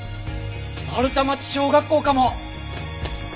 丸太町小学校かも！